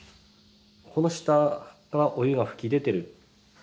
この下がお湯が噴き出てる。